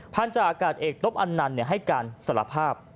พันธาอากาศเอกนบอันนันให้กันสละภาพ